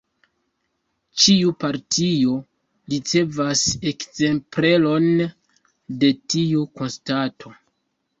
Ĉiu partio ricevas ekzempleron de tiu konstato.